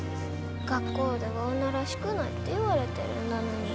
学校では女らしくないって言われてるんだのに。